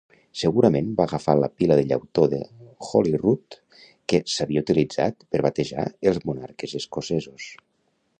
Segurament va agafar la pila de llautó de Holyrood que s'havia utilitzat per batejar els monarques escocesos.